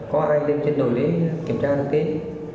có ai lên trên nồi đấy kiểm tra được kết